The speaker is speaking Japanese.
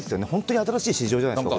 新しい市場じゃないですか。